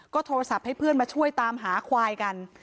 โทรศัพท์ให้เพื่อนมาช่วยตามหาควายกัน